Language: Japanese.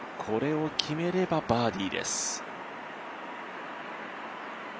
これを決めればバーディーです。